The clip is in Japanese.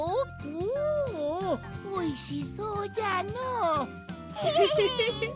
おおおいしそうじゃのう。